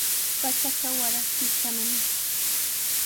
Pachaqa waraskishqanami.